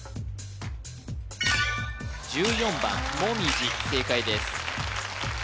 １４番もみじ正解です